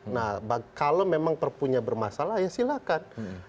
nah kalau memang perpunya bermasalah ya silakan